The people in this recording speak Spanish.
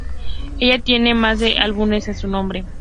Ella tiene más de seis álbumes a su nombre.